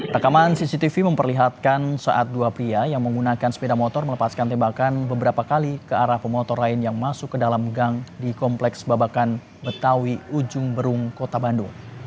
rekaman cctv memperlihatkan saat dua pria yang menggunakan sepeda motor melepaskan tembakan beberapa kali ke arah pemotor lain yang masuk ke dalam gang di kompleks babakan betawi ujung berung kota bandung